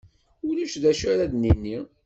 Ulac d acu ara d-nini.